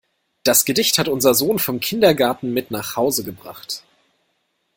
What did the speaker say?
Das Gedicht hat unser Sohn vom Kindergarten mit nach Hause gebracht.